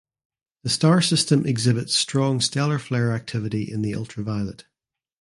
The star system exhibits strong stellar flare activity in the ultraviolet.